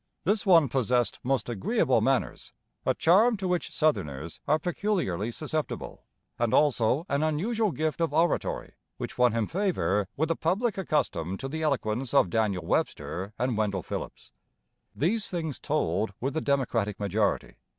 This one possessed most agreeable manners, a charm to which Southerners are peculiarly susceptible, and also an unusual gift of oratory which won him favour with a public accustomed to the eloquence of Daniel Webster and Wendell Phillips. These things told with the Democratic majority.